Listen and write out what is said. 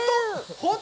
本当？